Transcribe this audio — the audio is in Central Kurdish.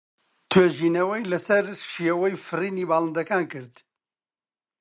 توێژینەوەی لەسەر شێوەی فڕینی باڵندەکان کرد.